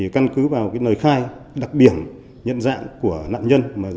căn cứ vào lời khai đặc điểm nhận dạng của nạn nhân